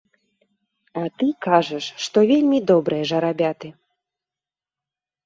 А ты кажаш, што вельмі добрыя жарабяты.